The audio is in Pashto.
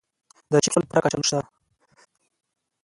د چپسو لپاره کچالو شته؟